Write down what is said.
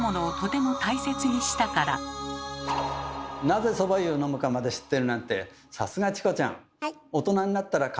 なぜそば湯を飲むかまで知ってるなんてさすがチコちゃん！